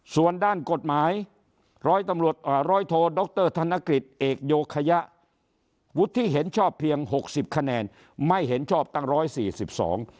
ส่วนด้านกฎหมายร้อยโทดรธนกฤษเอกโยคยะวุฒิเห็นชอบเพียง๖๐คะแนนไม่เห็นชอบตั้ง๑๔๒คะแนน